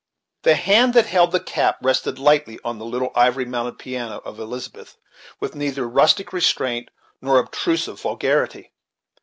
The hand that held the cap rested lightly on the little ivory mounted piano of Elizabeth, with neither rustic restraint nor obtrusive vulgarity.